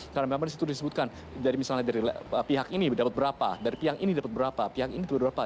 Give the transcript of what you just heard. karena memang disitu disebutkan misalnya dari pihak ini dapat berapa dari pihak ini dapat berapa pihak ini dapat berapa